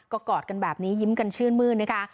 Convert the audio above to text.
ก็กอดกันแบบนี้ยิ้มกันชื่นมื้นนะคะ